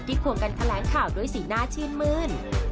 ควงกันแถลงข่าวด้วยสีหน้าชื่นมื้น